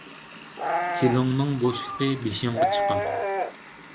تىلىڭنىڭ بوشلۇقى بېشىڭغا چىقار.